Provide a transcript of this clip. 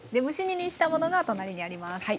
蒸し煮にしたものが隣にあります。